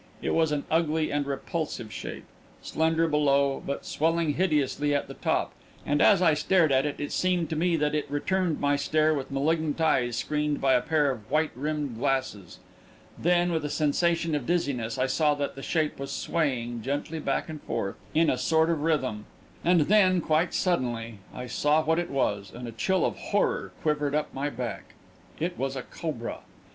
It was an ugly and repulsive shape, slender below, but swelling hideously at the top, and as I stared at it, it seemed to me that it returned my stare with malignant eyes screened by a pair of white rimmed glasses. Then, with a sensation of dizziness, I saw that the shape was swaying gently back and forth, in a sort of rhythm. And then, quite suddenly, I saw what it was, and a chill of horror quivered up my back. It was a cobra.